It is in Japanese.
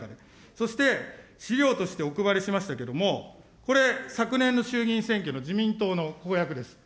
そして資料としてお配りしましたけれども、これ、昨年の衆議院選挙の自民党の公約です。